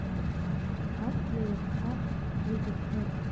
Аԥшәма иԥҳа дигәаԥхеит.